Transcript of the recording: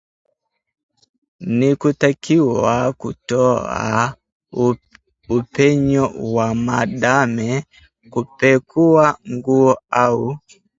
ni kutakiwa kutoa upenyo wa 'madame' kupekua nguo au